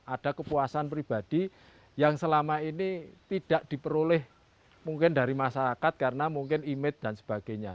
ada kepuasan pribadi yang selama ini tidak diperoleh mungkin dari masyarakat karena mungkin image dan sebagainya